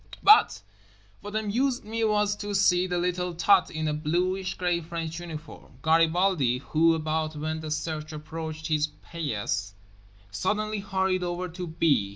But what amused me was to see the little tot in a bluish grey French uniform, Garibaldi, who—about when the search approached his paillasse—suddenly hurried over to B.